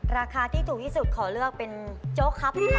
ราคาที่ถูกที่สุดขอเลือกเป็นโจ๊กครับ